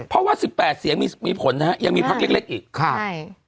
เพราะว่าสิบแปดเสียงมีผลนะฮะยังมีพักเล็กอีกครับใช่